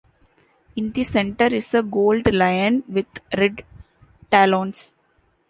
In the center is a gold lion with red talons.